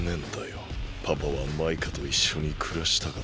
パパはマイカといっしょにくらしたかった。